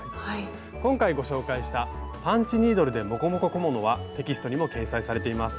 今回ご紹介したパンチニードルでモコモコ小物はテキストにも掲載されています。